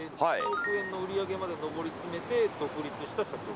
１０億円の売り上げまで登りつめて独立した社長。